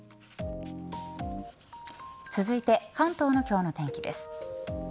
続いて関東の今日の天気です。